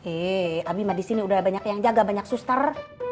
eh abimah disini udah banyak yang jaga banyak suster